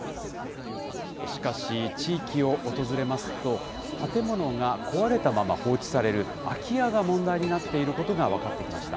しかし、地域を訪れますと、建物が壊れたまま放置される空き家が問題になっていることが分かってきました。